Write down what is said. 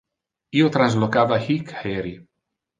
Io translocava hic heri.